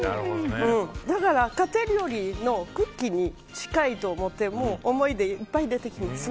だから家庭料理のクッキーに近いと思って思い出、いっぱい出てきました。